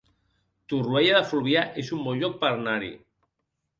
Torroella de Fluvià es un bon lloc per anar-hi